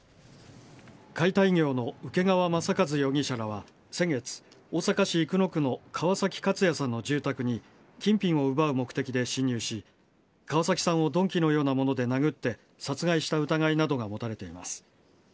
解体業の請川正和容疑者らは先月、大阪市生野区の川崎勝哉さんの住宅に金品を奪う目的で侵入し川崎さんを鈍器のようなもので殴って殺害した疑いなどが持たれています。